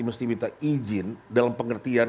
mesti minta izin dalam pengertian